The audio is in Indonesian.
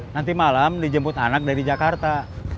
nanti malam dijemput anak dari jakarta